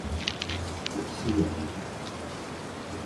拉拉涅蒙泰格兰人口变化图示